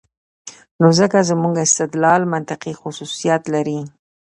نو ځکه زموږ استدلال منطقي خصوصیت لري.